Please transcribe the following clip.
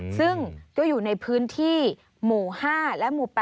ซึ่งก็อยู่ในพื้นที่หมู่๕และหมู่๘